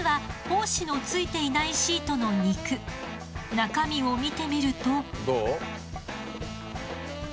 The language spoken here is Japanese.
中身を見てみると。